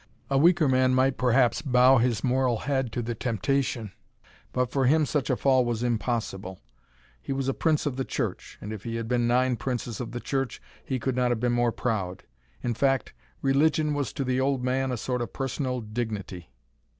A weaker man might perhaps bow his moral head to the temptation, but for him such a fall was impossible. He was a prince of the church, and if he had been nine princes of the church he could not have been more proud. In fact, religion was to the old man a sort of personal dignity.